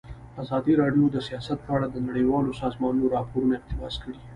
ازادي راډیو د سیاست په اړه د نړیوالو سازمانونو راپورونه اقتباس کړي.